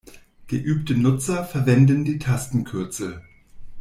Geübte Nutzer verwenden die Tastaturkürzel.